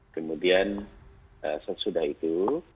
kemudian sesudah itu